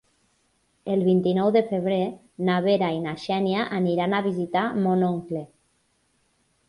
El vint-i-nou de febrer na Vera i na Xènia aniran a visitar mon oncle.